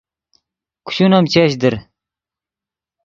کوشون ام چش در